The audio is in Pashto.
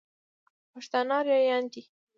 پښتانه اريايان دي.